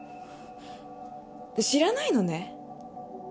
知らないのね？